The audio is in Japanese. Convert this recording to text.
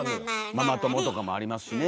ママ友とかもありますしね。